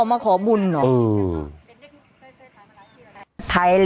อุ่อมาขอบุญเหรอ